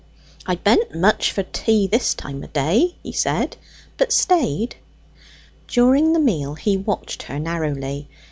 "I be'n't much for tea, this time o' day," he said, but stayed. During the meal he watched her narrowly.